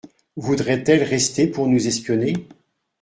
Voudrait-elle rester pour nous espionner ?